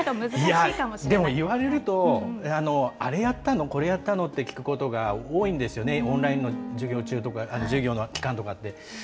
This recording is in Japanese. でも言われると、あれやったの、これやったのって聞くことが多いんですよね、オンラインの授業中とか、授業の期間とかって。